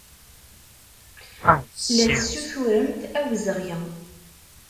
La tessuturemt awezɣi.